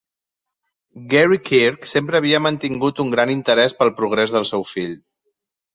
Gary Kirk sempre havia mantingut un gran interès pel progrés del seu fill.